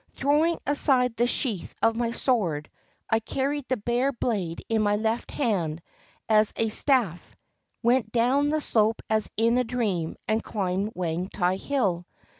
Throwing aside the sheath of my sword, I carried the bare blade in my left hand as a staff, went down the slope as in a dream, and climbed Wang tai Hill.